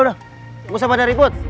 gak usah pada ribut